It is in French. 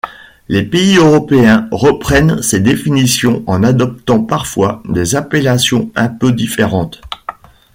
Les pays européens reprennent ces définitions en adoptant parfois des appellations un peu différentes.